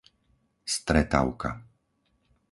Stretavka